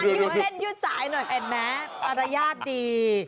นี่ดูอยู่เห็นอยู่สายหน่อยแอดแม้ปริญญาติดี